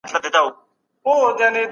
ایا دا کار ستاسو لپاره اسانه دی؟